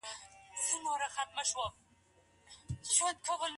که خلګ خپل چاپیریال پاک وساتي، نو میکروبونه نه زیاتیږي.